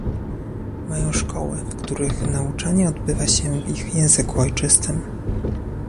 Mają szkoły, w których nauczanie odbywa się w ich języku ojczystym